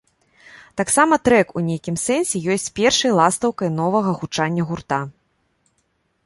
Таксама трэк у нейкім сэнсе ёсць першай ластаўкай новага гучання гурта.